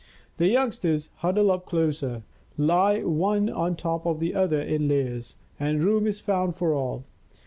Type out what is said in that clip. The youngsters huddle up closer, lie one on top of the other in layers and room is found for all.